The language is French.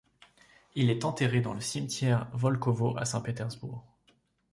Il est enterré dans le Cimetière Volkovo à Saint-Pétersbourg.